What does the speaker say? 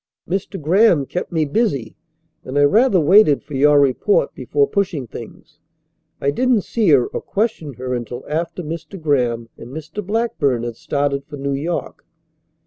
"Mr. Graham kept me busy, and I rather waited for your report before pushing things. I didn't see her or question her until after Mr. Graham and Mr. Blackburn had started for New York."